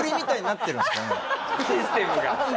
システムが？